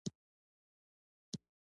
ښارونه د افغانستان د طبیعت یوه برخه ده.